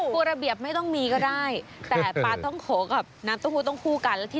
ประเบียบไม่ต้องมีก็ได้